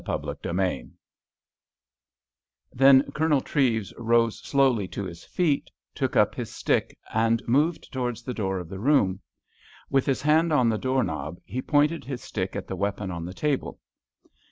CHAPTER IV Then Colonel Treves rose slowly to his feet, took up his stick, and moved towards the door of the room. With his hand on the door knob, he pointed his stick at the weapon on the table.